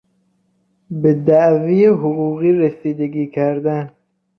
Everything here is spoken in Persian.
به دعوی حقوقی رسیدگی کردن